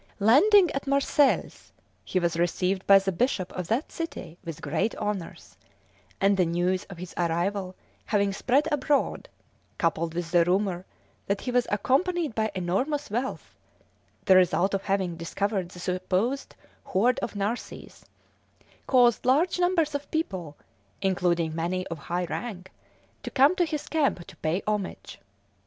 Landing at Marseilles, he was received by the bishop of that city with great honours, and the news of his arrival having spread abroad, coupled with the rumour that he was accompanied by enormous wealth, the result of having discovered the supposed hoard of Narses, caused large numbers of people, including many of high rank, to come to his camp to pay homage.